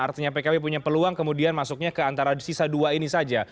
artinya pkb punya peluang kemudian masuknya ke antara sisa dua ini saja